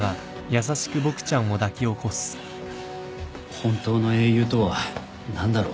本当の英雄とは何だろう。